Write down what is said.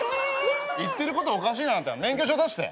言ってることおかしいなあんた免許証出して。